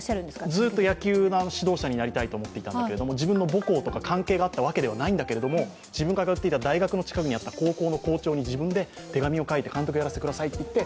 ずっと野球の指導者になりたいと思っていたんだけれども自分の母校とか関係があったわけではないんだけれども高校の校長に自分で手紙を書いて、監督をやらせてくださいと言って